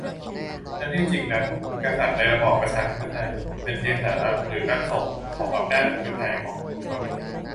ทั้งที่จริงนั้นกษัตริย์ในระบอบประชาธิปไตยเป็นเพียงสัญลักษณ์หรือ "ร่างทรง" ของอำนาจอธิปไตยของปวงชน